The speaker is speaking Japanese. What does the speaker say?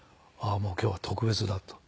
もう今日は特別だ」と。